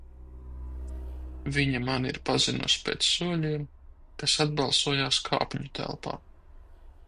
Viņa mani ir pazinusi pēc soļiem, kas atbalsojās kāpņu telpā.